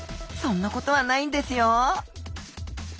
そんなことはないんですよ。